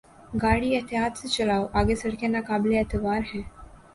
گاڑی احتیاط سے چلاؤ! آگے سڑکیں ناقابل اعتبار ہیں۔